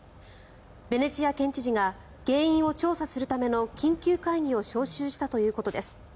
ベネチア県知事が原因を調査するための緊急会議を招集したということです。